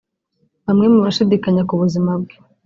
Bamwe mu bashidikanyaga ku bwiza bwe